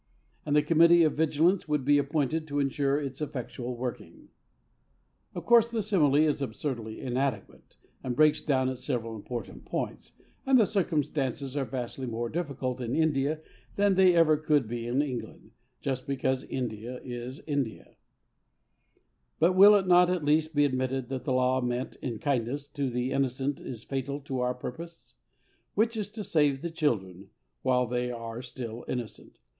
And a Committee of Vigilance would be appointed to ensure its effectual working. Of course, the simile is absurdly inadequate, and breaks down at several important points, and the circumstances are vastly more difficult in India than they ever could be in England, just because India is India; but will it not at least be admitted that the law meant in kindness to the innocent is fatal to our purpose? which is to save the children while they are still innocent.